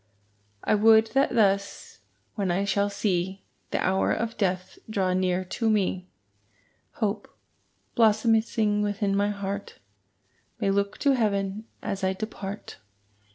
I would that thus, when I shall see The hour of death draw near to me, Hope, blossoming within my heart, May look to heaven as I depart.